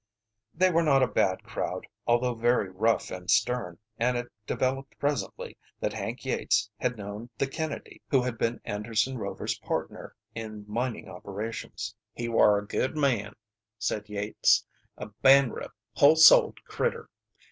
They were not a bad crowd, although very rough and stern, and it developed presently that Hank Yates had known the Kennedy who had been Anderson Rover's partner in mining operations. "He war a good man," said Yates. "A banrup, whole souled critter.